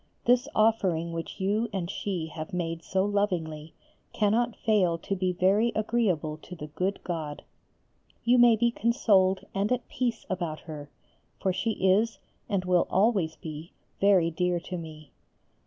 This offering which you and she have made so lovingly cannot fail to be very agreeable to the good God. You may be consoled and at peace about her for she is, and will always be, very dear to me.